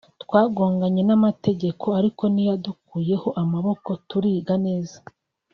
twagoganye n’amategeko ariko ntiyadukuyeho amaboko turiga neza